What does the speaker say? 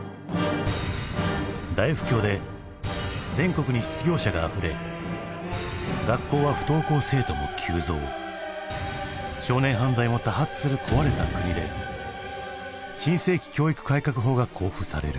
大不況で全国に失業者があふれ学校は不登校生徒も急増少年犯罪も多発する壊れた国で新世紀教育改革法が公布される。